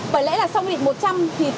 vậy lẽ là sau quy định một trăm linh